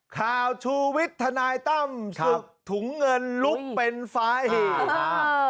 ชูวิทย์ทนายตั้มศึกถุงเงินลุกเป็นฟ้าเหตุ